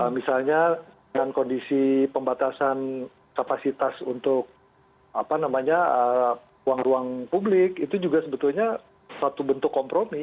misalnya dengan kondisi pembatasan kapasitas untuk ruang ruang publik itu juga sebetulnya satu bentuk kompromi